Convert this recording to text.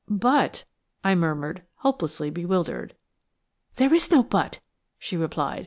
"But–" I murmured, hopelessly bewildered. "There is no 'but,' she replied.